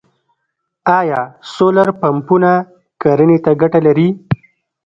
آیا سولر پمپونه کرنې ته ګټه لري؟